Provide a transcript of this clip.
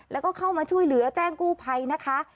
แล้วก็เข้ามาช่วยเหลือแจ้งกู้ภัยนะคะ